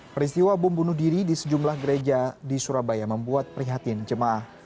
peristiwa bom bunuh diri di sejumlah gereja di surabaya membuat prihatin jemaah